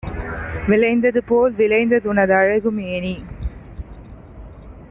விளைந்ததுபோல் விளைந்தஉன தழகு மேனி